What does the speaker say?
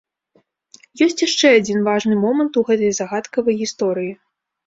Ёсць яшчэ адзін важны момант у гэтай загадкавай гісторыі.